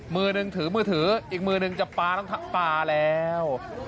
มือหนึ่งถือมือถืออีกมือหนึ่งจะปลาต้องปลาแล้ว